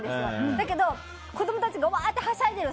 だけど、子供たちがワーッとはしゃいでる